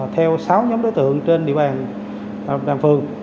theo sáu nhóm đối tượng trên địa bàn phường